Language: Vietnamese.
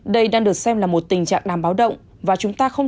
đây đang được xem là một tình trạng nàm báo động